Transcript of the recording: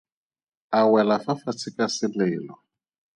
A wela fa fatshe ka selelo.